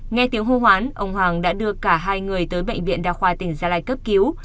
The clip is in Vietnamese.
nghe tiếng hô hoán ông hoàng đã đưa cả hai người tới bệnh viện đa khoa tỉnh gia lai cấp cứu